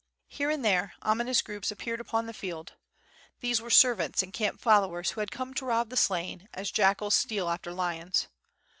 Here and there ominous groups appeared upon the field, these were servants and camp fol lowers who had come to rob the slain, as jackals steal after lions.